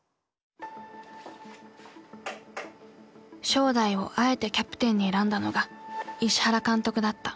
正代をあえてキャプテンに選んだのが石原監督だった。